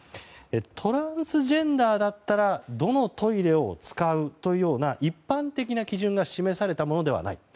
トランスジェンダーだったらどのトイレを使うというような一般的な基準が示されたものではない。